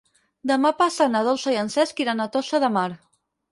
Demà passat na Dolça i en Cesc iran a Tossa de Mar.